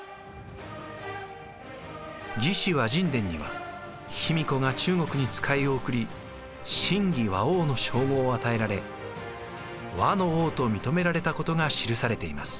「魏志」倭人伝には卑弥呼が中国に使いを送り「親魏倭王」の称号を与えられ倭の王と認められたことが記されています。